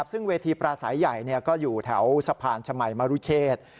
ซึ่งเวทีปราศัยใหญ่ก็อยู่แถวสะพานชมัยมรุเชษ